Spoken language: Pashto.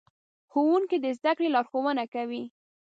ښوونکي د زدهکړې لارښوونه کوي.